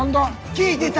聞いてた！